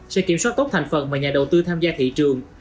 sẽ kiểm soát tốt thành phần mà nhà đầu tư tham gia thị trường